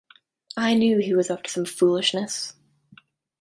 I knew he was up to some foolishness.